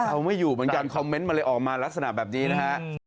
เอาไม่อยู่เหมือนกันคอมเมนต์มันเลยออกมาลักษณะแบบนี้นะฮะ